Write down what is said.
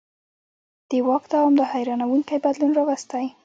د واک دوام دا حیرانوونکی بدلون راوستی.